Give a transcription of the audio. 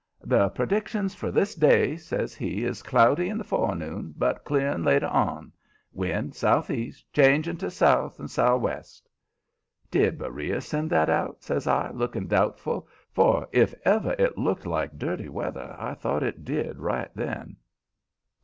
"The predictions for this day," says he, "is cloudy in the forenoon, but clearing later on. Wind, sou'east, changing to south and sou'west." "Did Beriah send that out?" says I, looking doubtful, for if ever it looked like dirty weather, I thought it did right then.